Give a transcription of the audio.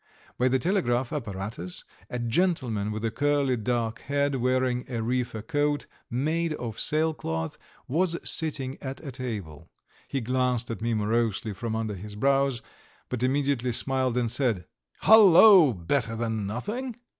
By the telegraph apparatus a gentleman with a curly dark head, wearing a reefer coat made of sailcloth, was sitting at a table; he glanced at me morosely from under his brows, but immediately smiled and said: "Hullo, Better than nothing!"